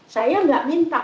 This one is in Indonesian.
saya tidak minta